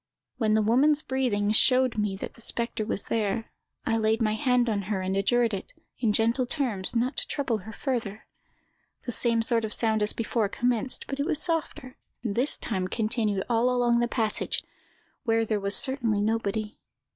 When the woman's breathing showed me the spectre was there, I laid my hand on her, and adjured it, in gentle terms, not to trouble her further. The same sort of sound as before commenced, but it was softer, and this time continued all along the passage, where there was certainly nobody.